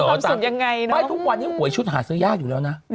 มันจะมีความสุขยังไงเนอะไม่ทุกวันนี้หัวชุดหาซื้อยากอยู่แล้วนะ